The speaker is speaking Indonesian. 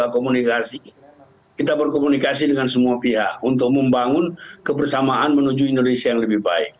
komunikasi kita berkomunikasi dengan semua pihak untuk membangun kebersamaan menuju indonesia yang lebih baik